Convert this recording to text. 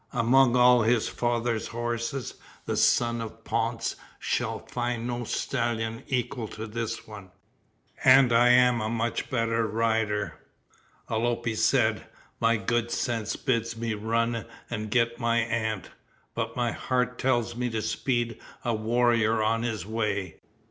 Among all his father's horses, the son of Ponce shall find no stallion to equal this one, and I am a much better rider!" Alope said, "My good sense bids me run and get my aunt, but my heart tells me to speed a warrior on his way.